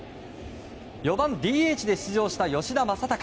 ４番ＤＨで出場した吉田正尚。